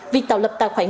việc tạo lập tài khoản